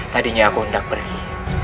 tadinya aku hendak pergi